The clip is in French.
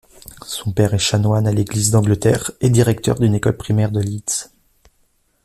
Son père est chanoine à l’Église d’Angleterre et directeur d’une école primaire de Leeds.